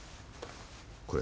これ。